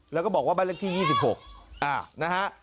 แล้วก็บอกว่าบ้านเลขที่๒๖นะฮะ